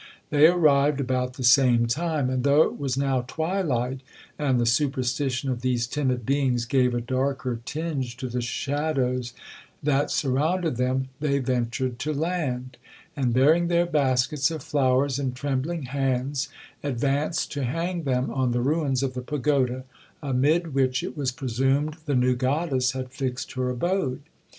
They arrived about the same time; and though it was now twilight, and the superstition of these timid beings gave a darker tinge to the shadows that surrounded them, they ventured to land; and, bearing their baskets of flowers in trembling hands, advanced to hang them on the ruins of the pagoda, amid which it was presumed the new goddess had fixed her abode.